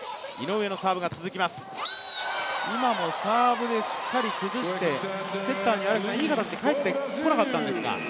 今もサーブでしっかり崩してセッターにいい形で返ってこなかったんですが。